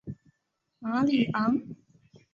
马尼昂。